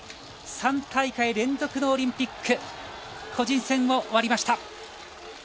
３大会連続のオリンピック個人戦も終わりました。